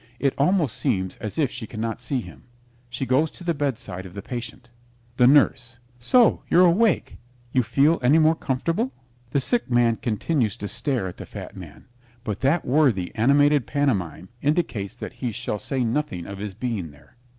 It almost seems as if she cannot see him. She goes to the bedside of the patient. THE NURSE So, you're awake. You feel any more comfortable? The Sick Man continues to stare at the Fat Man, but that worthy animated pantomime indicates that he shall say nothing of his being there.